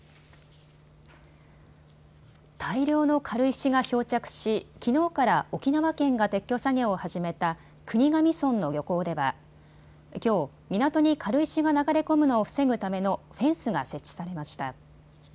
大量の軽石が漂着し、きのうから沖縄県が撤去作業を始めた国頭村の漁港ではきょう、港に軽石が流れ込むのを防ぐためのフェンスが設置されました。